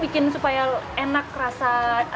bikin supaya enak rasa